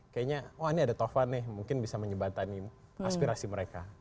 kayaknya wah ini ada tovan nih mungkin bisa menyebatani aspirasi mereka